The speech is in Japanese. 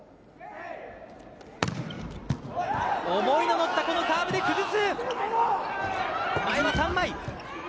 思いの乗ったサーブで崩す。